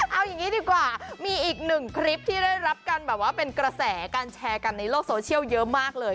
เอาอย่างนี้ดีกว่ามีอีกหนึ่งคลิปที่ได้รับกันแบบว่าเป็นกระแสการแชร์กันในโลกโซเชียลเยอะมากเลย